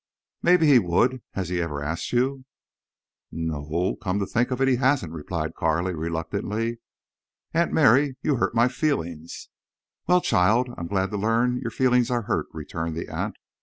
"Maybe he would. Has he ever asked you?" "No o—come to think of it, he hasn't," replied Carley, reluctantly. "Aunt Mary, you hurt my feelings." "Well, child, I'm glad to learn your feelings are hurt," returned the aunt.